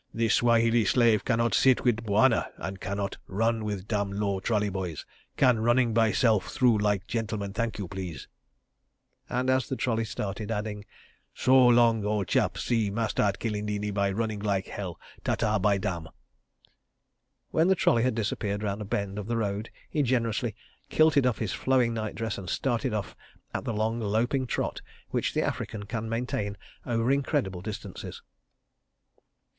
"This Swahili slave cannot sit with Bwana, and cannot run with damn low trolley boys. Can running by self though like gentleman, thank you, please," and as the trolley started, added: "So long, ole chap. See Master at Kilindini by running like hell. Ta ta by damn!" When the trolley had disappeared round a bend of the road, he generously kilted up his flowing night dress and started off at the long loping trot which the African can maintain over incredible distances.